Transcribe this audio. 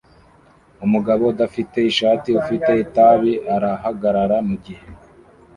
Umugabo udafite ishati ufite itabi arahagarara mugihe